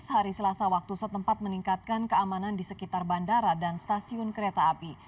hari selasa waktu setempat meningkatkan keamanan di sekitar bandara dan stasiun kereta api